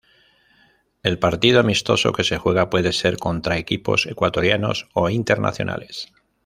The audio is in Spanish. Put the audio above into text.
El partido amistoso que se juega puede ser contra equipos ecuatorianos o internacionales.